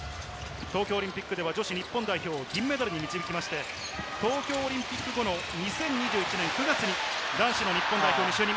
東京オリンピックでは女子日本代表を銀メダルに導きまして、東京オリンピック後の２０２１年９月に男子の日本代表に就任。